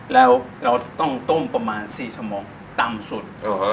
แล้วเราต้องต้มประมาณ๔สมองต่ำสุด